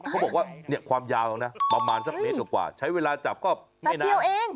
เขาบอกว่าเนี่ยความยาวนะประมาณสักเมตรกว่าใช้เวลาจับก็ไม่นานเอง